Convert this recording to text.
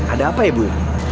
ada apa ibu